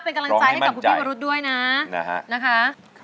เป็นกำลังใจให้กับพี่วรุษด้วยนะครับนะคะร้องให้มั่นใจ